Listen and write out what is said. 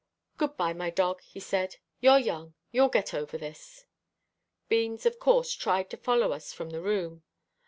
"Good bye, my dog," he said. "You're young you'll get over this." Beans, of course, tried to follow us from the room.